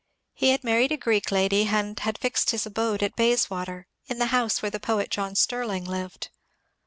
He had married a Greek lady and fixed his abode at Bayswater, in the house where the poet John Sterling lived.